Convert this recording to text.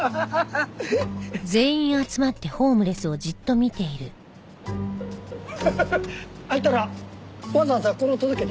ハハハハあんたらわざわざこれを届けに？